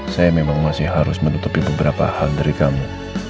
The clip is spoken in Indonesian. saya memang masih harus menutupi beberapa hal dari kami